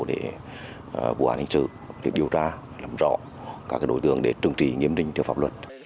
để vụ án hình sự để điều tra làm rõ các đối tượng để trừng trị nghiêm trình theo pháp luật